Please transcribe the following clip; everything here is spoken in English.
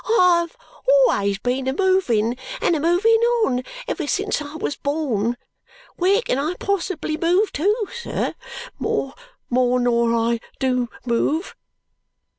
"I've always been a moving and a moving on, ever since I was born. Where can I possibly move to, sir, more nor I do move!"